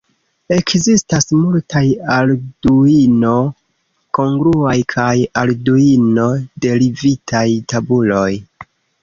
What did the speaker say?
Ekzistas multaj Arduino-kongruaj kaj Arduino-derivitaj tabuloj.